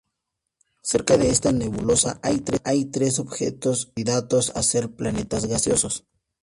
Cerca de esta nebulosa hay tres objetos candidatos a ser planetas gaseosos.